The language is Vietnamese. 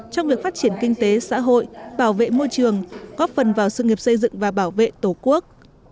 trong việc phát triển kinh tế xã hội bảo vệ môi trường góp phần vào sự nghiệp xây dựng và bảo vệ tổ quốc